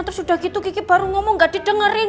terus udah gitu kiki baru ngomong gak didengerin